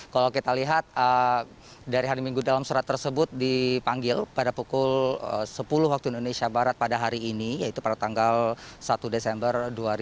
kalau kita lihat dari hari minggu dalam surat tersebut dipanggil pada pukul sepuluh waktu indonesia barat pada hari ini yaitu pada tanggal satu desember dua ribu dua puluh